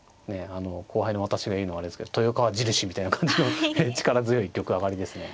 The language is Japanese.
あの後輩の私が言うのもあれですけど豊川印みたいな感じの力強い玉上がりですね。